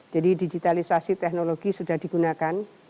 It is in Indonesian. jadi digitalisasi teknologi sudah digunakan